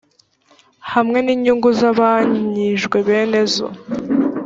hamwe n inyungu zagabanyijwe bene zo